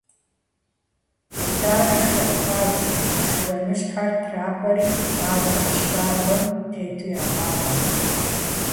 ИтӀанэ шыгъу хадзэ, шыуаныщхьэр трапӀэри, мафӀэ щабэм тету ягъавэ.